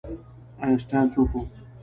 آینسټاین څوک و؟